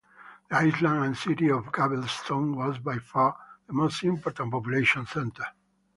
The island and city of Galveston was by far the most important population center.